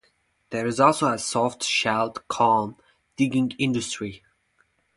There is also a soft-shelled clam digging industry.